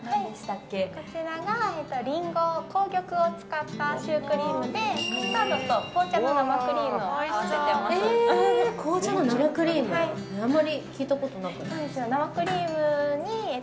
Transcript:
こちらが、リンゴ紅玉を使ったシュークリームでカスタードと紅茶の生クリームを紅茶の生クリーム。